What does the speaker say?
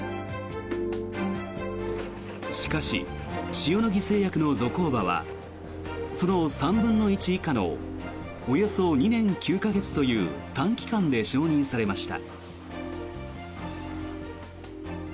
しかし、塩野義製薬のゾコーバはその３分の１以下のおよそ２年９か月という短期間で承認されました。